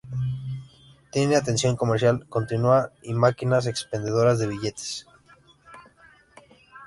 Tiene atención comercial continua y máquinas expendedoras de billetes.